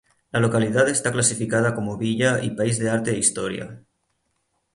La localidad está clasificada como Villa y País de Arte e Historia.